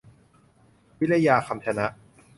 วริยา คำชนะ